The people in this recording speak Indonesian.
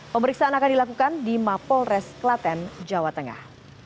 pemeriksaan akan dilakukan di mapol res klaten jawa tengah